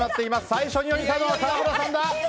最初に置いたのは川村さんだ！